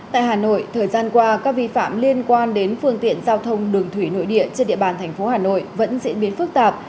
tại hà nội thời gian qua các vi phạm liên quan đến phương tiện giao thông đường thủy nội địa trên địa bàn thành phố hà nội vẫn diễn biến phức tạp